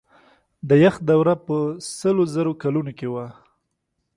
د یخ دوره په سلو زرو کلونو کې وه.